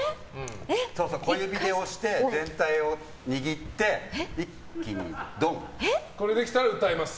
小指で押して全体を握ってこれできたら歌えます。